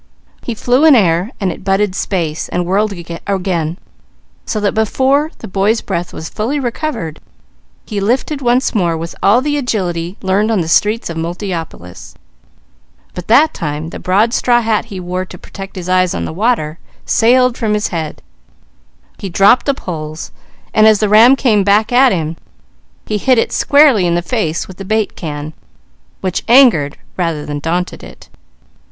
He flew in air, and it butted space and whirled again, so that before the boy's breath was fully recovered he lifted once more, with all the agility learned on the streets of Multiopolis; but that time the broad straw hat he wore to protect his eyes on the water, sailed from his head; he dropped the poles, and as the ram came back at him he hit it squarely in the face with the bait can, which angered rather than daunted it.